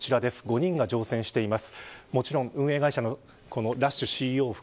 ５人が乗船しています。